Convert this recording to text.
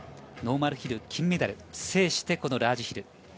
ノーマルヒル金メダル制して、このラージヒル。